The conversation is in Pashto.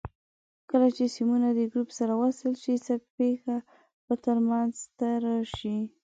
کله چې سیمونه د ګروپ سره وصل شي څه پېښه به تر منځ راشي؟